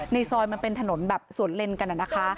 ในซอยมันเป็นถนนสวนเล็นกันนะคะ